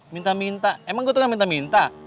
minta minta emang gua tuh ga minta minta